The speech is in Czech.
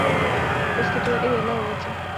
Poskytuje i jedlé ovoce.